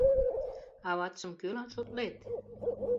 Аватшым кӧлан шотлет?..